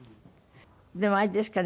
でもあれですかね？